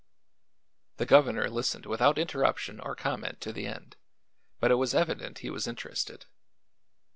The governor listened without interruption or comment to the end, but it was evident he was interested.